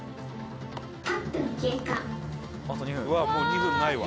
うわっもう２分ないわ。